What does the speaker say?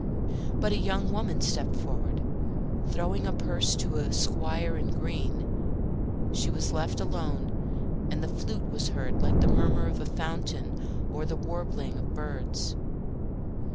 But a young woman stepped forward, throwing a purse to a squire in green. She was left alone, and the flute was heard like the murmur of a fountain or the warbling of birds.